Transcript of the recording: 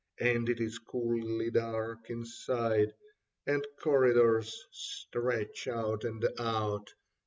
And it is coolly dark inside, And corridors stretch out and out.